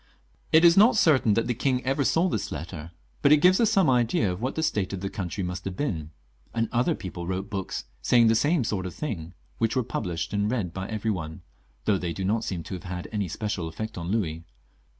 It is not certain that the king ever saw this letter, but it gives us some idea of what the state of the country must have been; and other people wrote books, saying the same sort of thing, which were published and read by every one, though they do not seem to have had any special effect on Louis.